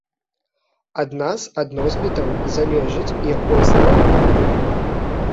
Ад нас, ад носьбітаў, залежыць, якое слова мы выберам.